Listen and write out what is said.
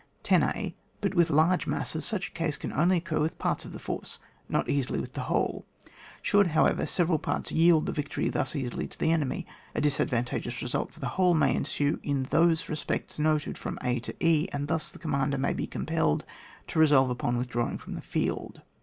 10a. But with large masses, such a case can only occur with parts of the force not easUy with the whole. Should, however, several parts yield the victory thus easily to the enemy, a disadvant£i geous result for the whole may ensue in those respects noted from a to e, and thus the commander may be compelled to resolve upon withdrawing from the field.